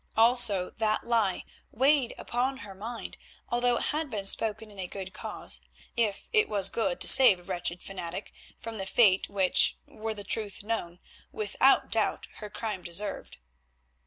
Also that lie weighed upon her mind, although it had been spoken in a good cause; if it was good to save a wretched fanatic from the fate which, were the truth known, without doubt her crime deserved.